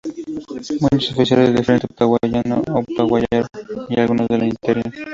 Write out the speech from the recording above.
Muchos oficiales del frente paraguayo lo apoyaron, y algunos en el interior.